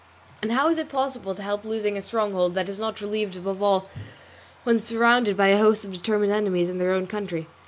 And how is it possible to help losing a stronghold that is not relieved, above all when surrounded by a host of determined enemies in their own country?